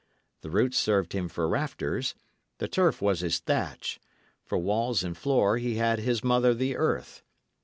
The roots served him for rafters, the turf was his thatch; for walls and floor he had his mother the earth.